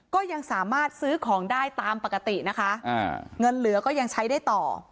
ก็ยังสามารถซื้อของได้ตามปกตินะคะอ่าเงินเหลือก็ยังใช้ได้ต่อ